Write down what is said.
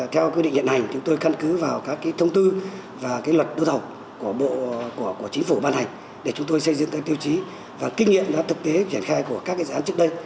theo quy định hiện hành chúng tôi căn cứ vào các thông tư và luật đấu thầu của chính phủ ban hành để chúng tôi xây dựng các tiêu chí và kinh nghiệm ra thực tế triển khai của các dự án trước đây